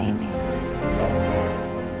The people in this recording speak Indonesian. saya tidak terlalu egoskop